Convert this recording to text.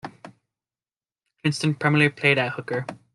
Kingston primarily played at hooker.